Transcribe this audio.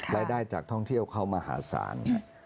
รายได้จากท่องเที่ยวเข้ามหาศาล